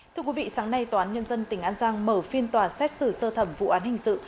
thưa quý vị sáng nay tòa án nhân dân tỉnh an giang mở phiên tòa xét xử sơ thẩm vụ án hình sự